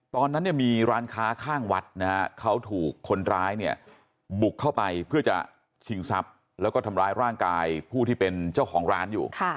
ตอนนั้นเนี่ยมีร้านค้าข้างวัดนะฮะเขาถูกคนร้ายเนี่ยบุกเข้าไปเพื่อจะชิงทรัพย์แล้วก็ทำร้ายร่างกายผู้ที่เป็นเจ้าของร้านอยู่